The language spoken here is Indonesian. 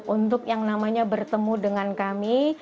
untuk yang namanya bertemu dengan kami